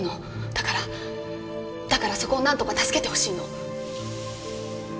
だからだからそこをなんとか助けてほしいの。